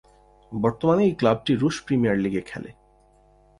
বর্তমানে এই ক্লাবটি রুশ প্রিমিয়ার লীগে খেলে।